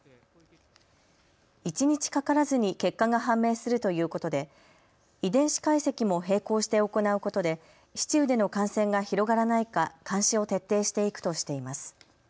一日かからずに結果が判明するということで遺伝子解析も並行して行うことで市中での感染が広がらないか監視を徹底していくとしています。